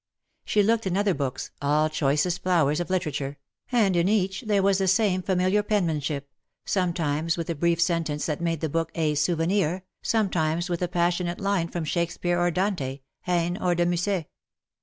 She looked in other books — all choicest flowers of literature — and in each there was the same familiar penmanship, sometimes with a brief sentence that made the book a souvenir — sometimes with a pas sionate line from Shakespeare or Dante, Heine or De Musset.